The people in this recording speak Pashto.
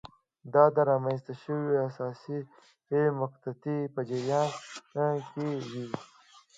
دا د رامنځته شوې حساسې مقطعې په جریان کې وې.